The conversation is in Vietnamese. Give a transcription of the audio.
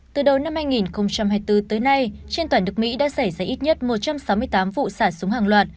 từ đầu năm hai nghìn hai mươi bốn tới nay trên toàn nước mỹ đã xảy ra ít nhất một trăm sáu mươi tám vụ sản súng hàng loạt